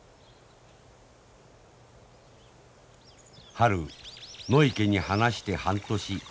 春野池に放して半年。